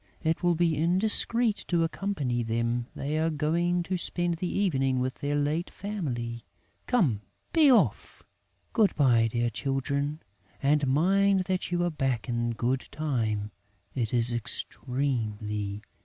It would be indiscreet to accompany them; they are going to spend the evening with their late family. Come, be off! Good bye, dear children, and mind that you are back in good time: it is extremely important!"